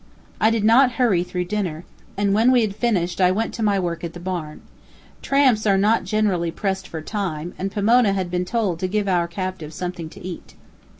I did not hurry through dinner, and when we had finished I went to my work at the barn. Tramps are not generally pressed for time, and Pomona had been told to give our captive something to eat.